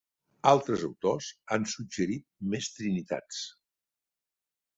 Altres autors han suggerit més trinitats.